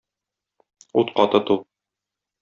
Утка тоту.